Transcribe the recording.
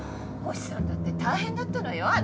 星さんだって大変だったのよ